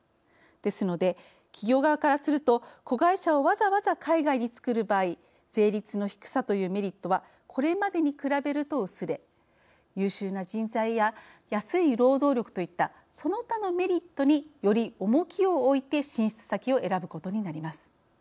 ですので、企業側からすると子会社をわざわざ海外に作る場合税率の低さというメリットはこれまでに比べると薄れ優秀な人材や安い労働力といったその他のメリットにより重きを置いて進出先を選ぶことになります。